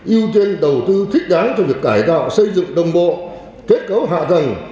yêu trên đầu tư thích đáng cho việc cải tạo xây dựng đồng bộ kết cấu hạ dần